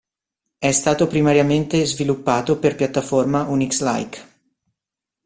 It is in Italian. È stato primariamente sviluppato per piattaforme Unix-like.